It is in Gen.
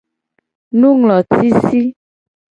Nunglotisi.